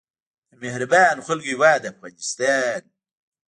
د مهربانو خلکو هیواد افغانستان.